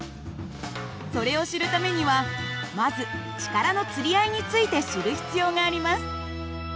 それを知るためにはまず力のつり合いについて知る必要があります。